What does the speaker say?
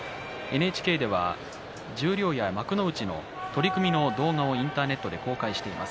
ＮＨＫでは十両や幕内の取組の動画をインターネットで公開しています。